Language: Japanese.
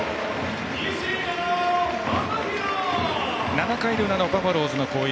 ７回の裏のバファローズの攻撃。